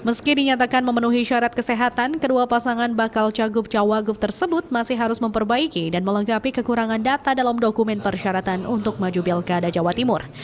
meski dinyatakan memenuhi syarat kesehatan kedua pasangan bakal cagup cawagup tersebut masih harus memperbaiki dan melengkapi kekurangan data dalam dokumen persyaratan untuk maju belkada jawa timur